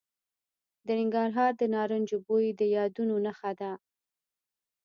د ننګرهار د نارنجو بوی د یادونو نښه ده.